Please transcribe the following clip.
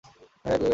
যাই গো আন্টি।